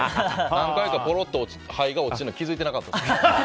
何回か、ぽろっと灰が落ちるの気づいてなかったですね。